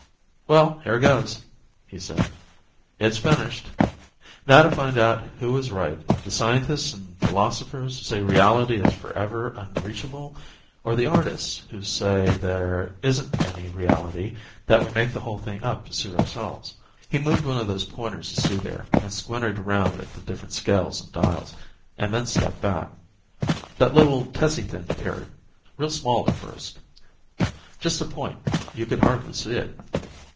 "Well, here goes," he said. "It's finished. Now to find out who is right, the scientists and philosophers who say reality is forever unreachable, or the artists who say there isn't any reality that we make the whole thing up to suit ourselves." He moved one of those pointers you see there, and squinted around at the different scales and dials, and then stepped back. That little tessy thing appeared, real small at first. Just a point; you could hardly see it.